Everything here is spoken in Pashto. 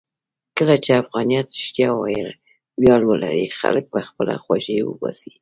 کله چې افغانیت رښتیا ویاړ ولري، خلک به خپله خوښۍ وباسي.